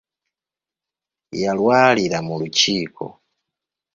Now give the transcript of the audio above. Yalwalira mu lukiiko.